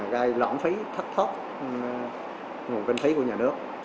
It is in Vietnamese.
gai lõng phí thất thốt nguồn kinh phí của nhà nước